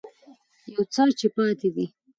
يو څه چې پاتې دي